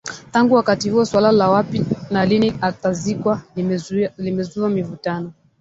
Tangu wakati huo suala la wapi na lini atazikwa limezua mivutano